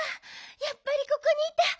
やっぱりここにいた。